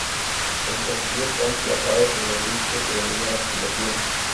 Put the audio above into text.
El castillo está emplazado sobre risco que domina la población.